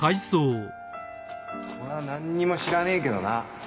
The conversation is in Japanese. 隆平：俺は何にも知らねえけどな。